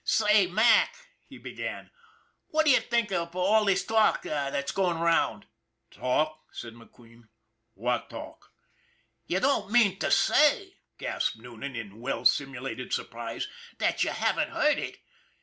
" Say, Mac," he began, " what do you think of all this talk that's going 'round ?"" Talk ?" said McQueen. " What talk ?"" You don't mean to say," gasped Noonan, in well simulated surprise, " that you haven't heard it